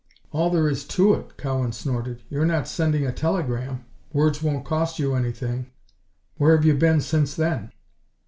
"All there is to it!" Cowan snorted. "You're not sending a telegram. Words won't cost you anything. Where have you been since then?"